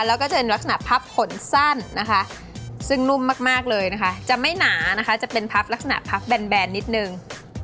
แล้วก็จะเป็นลักษณะพับผลสั้นนะคะซึ่งนุ่มมากเลยนะคะจะไม่หนานะคะจะเป็นพับลักษณะพับแบนนิดนึง